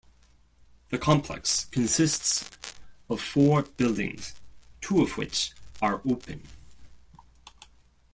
The complex consists of four buildings, two of which are open.